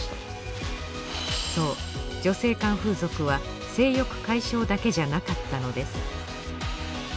そう女性間風俗は性欲解消だけじゃなかったのです。